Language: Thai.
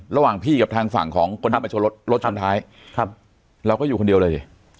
ระหว่างพี่กับทางฝั่งของคนที่มาชนรถรถชนท้ายครับเราก็อยู่คนเดียวเลยสิ